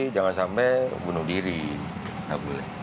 jangan sampai bunuh diri tidak boleh